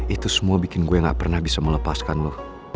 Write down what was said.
itu semua bikin gue gak pernah bisa melepaskan lo